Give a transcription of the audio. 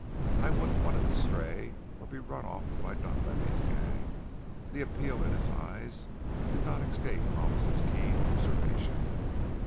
I wouldn't want it to stray or be run off by Dunlavey's gang." The appeal in his eyes did not escape Hollis's keen observation.